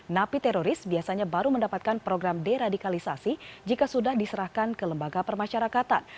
napi teroris biasanya baru mendapatkan program deradikalisasi jika sudah diserahkan ke lembaga permasyarakatan